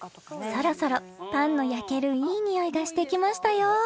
［そろそろパンの焼けるいい匂いがしてきましたよ］